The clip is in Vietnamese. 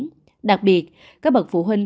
đáng đặc biệt các bậc phụ huynh